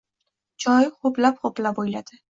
Choy ho‘plab-ho‘plab o‘yladi.